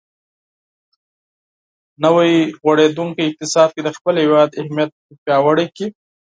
نوی غوړېدونکی اقتصاد کې د خپل هېواد اهمیت پیاوړی کړي.